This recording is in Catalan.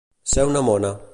Ser una mona.